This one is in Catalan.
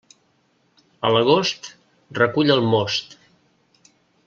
A l'agost, recull el most.